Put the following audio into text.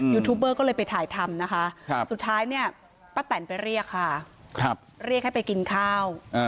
ยูทูบเบอร์ก็เลยไปถ่ายทำนะคะสุดท้ายเนี่ยป้าแตนไปเรียกค่ะเรียกให้ไปกินข้าว